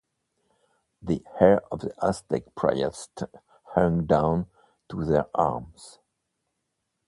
The hair of the Aztec priests hung down to their hams.